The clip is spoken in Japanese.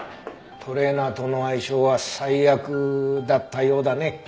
トレーナーとの相性は最悪だったようだね。